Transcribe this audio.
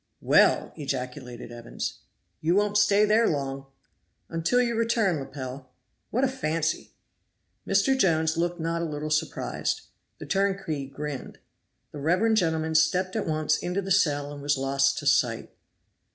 "Well!" ejaculated Evans. "You won't stay there long." "Until you return, Lepel." "What a fancy!" Mr. Jones looked not a little surprised. The turnkey grinned. The reverend gentleman stepped at once into the cell and was lost to sight.